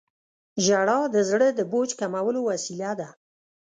• ژړا د زړه د بوج کمولو وسیله ده.